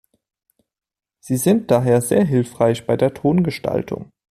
Sie sind daher sehr hilfreich bei der Tongestaltung.